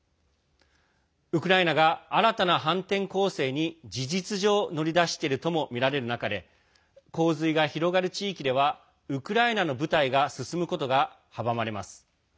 ウクライナが新たな反転攻勢に、事実上乗り出しているともみられる中で洪水が広がる地域ではウクライナの部隊が進むことが阻まれます。